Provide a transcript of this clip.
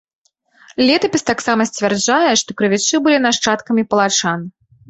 Летапіс таксама сцвярджае, што крывічы былі нашчадкамі палачан.